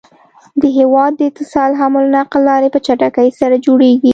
د هيواد د اتصال حمل نقل لاری په چټکی سره جوړيږي